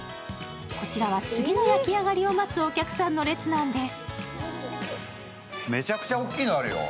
こちらは次の焼き上がりを待つお客さんの列なんです。